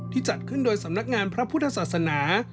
จัดขึ้นโดยสำนักงานพระพุทธศาสนา